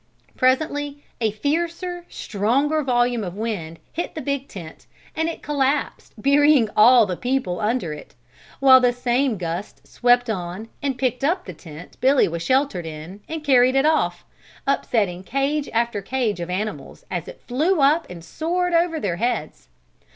Presently a fiercer, stronger volume of wind hit the big tent and it collapsed burying all the people under it, while the same gust swept on and picked up the tent Billy was sheltered in and carried it off, upsetting cage after cage of animals as it flew up and soared over their heads.